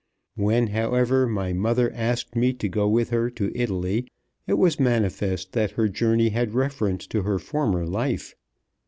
When, however, my mother asked me to go with her to Italy, it was manifest that her journey had reference to her former life.